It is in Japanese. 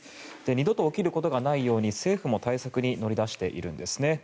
二度と起きることがないように政府も対策に乗り出しているんですね。